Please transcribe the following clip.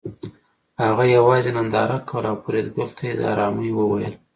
هغه یوازې ننداره کوله او فریدګل ته یې د ارامۍ وویل